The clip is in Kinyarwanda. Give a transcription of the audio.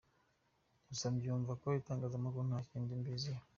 Gusa mbyumva mu itangazamakuru nta kindi mbiziho.